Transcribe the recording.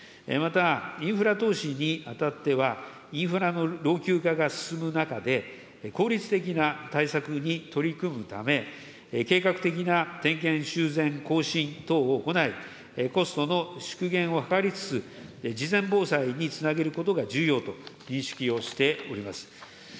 また、インフラ投資にあたっては、インフラの老朽化が進む中で、効率的な対策に取り組むため、計画的な点検、修繕、更新等を行い、コストの縮減を図りつつ、事前防災につなげることが重要と認識をしております。